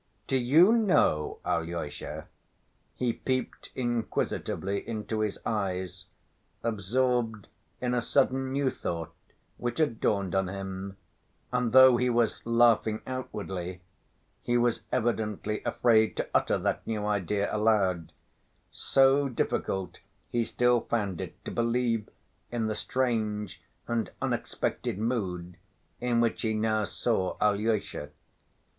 "Do you know, Alyosha," he peeped inquisitively into his eyes, absorbed in a sudden new thought which had dawned on him, and though he was laughing outwardly he was evidently afraid to utter that new idea aloud, so difficult he still found it to believe in the strange and unexpected mood in which he now saw Alyosha.